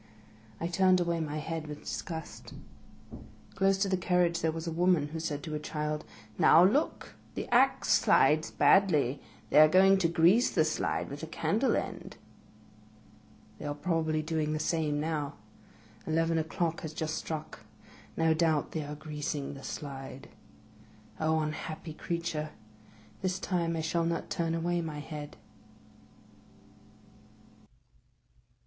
I turned away my head with disgust. Close to the carriage there was a woman who said to a child, " Now, look! the axe slides badly; they are going to grease the slide with a can dle end." ' They are probably doing the same now. Eleven o'clock has just struck. No doubt they are greasing the slide. Oh, unhappy creature! this time I shall not turn away my head.